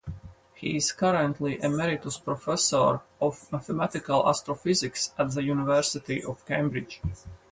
He is currently Emeritus Professor of Mathematical Astrophysics at the University of Cambridge.